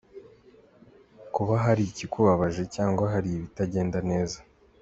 Kuba hari ikikubabaje cyangwa hari ibitagenda neza.